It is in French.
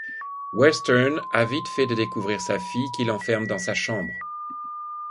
Western a vite fait de découvrir sa fille qu'il enferme dans sa chambre.